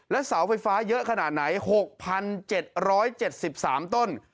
เสาไฟฟ้าเยอะขนาดไหน๖๗๗๓ต้น